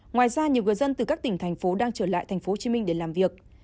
ngoài ra nhiều người dân từ các tỉnh thành phố đang trở lại thành phố hồ chí minh để làm việc